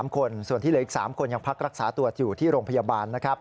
๓คนส่วนที่เหลืออีก๓คนยังพักรักษาตัวอยู่ที่โรงพยาบาลนะครับ